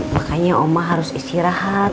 makanya oma harus istirahat